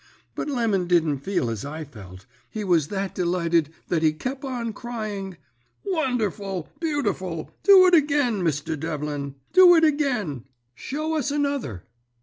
But Lemon didn't feel as I felt; he was that delighted that he kep on crying "'Wonderful! Beautiful! Do it agin, Mr. Devlin, do it agin. Show us another.'